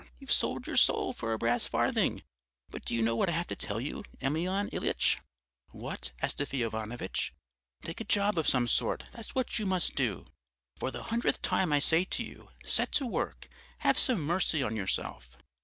You've sold your soul for a brass farthing! But do you know what I have to tell you, Emelyan Ilyitch?' "'What, Astafy Ivanovitch?' "'Take a job of some sort, that's what you must do. For the hundredth time I say to you, set to work, have some mercy on yourself!'